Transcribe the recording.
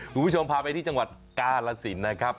ดูพี่ชมพาไปที่จังหวัดกาละสินนะครับ